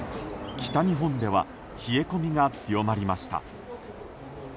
北日本では冷え込みが強まりました。